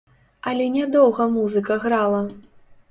Але нядоўга музыка грала.